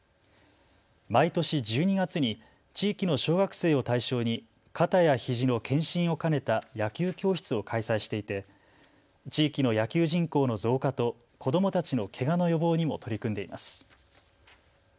毎年１２月に地域の小学生を対象に肩やひじの検診を兼ねた野球教室を開催していて地域の野球人口の増加と子どもたちのけがの予防にも取り組んでいます。